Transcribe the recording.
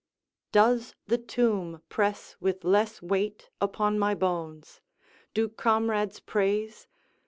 ["Does the tomb press with less weight upon my bones? Do comrades praise?